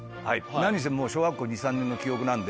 何せもう小学校２３年の記憶なんで。